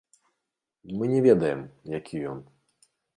Мы не ведаем, які ён.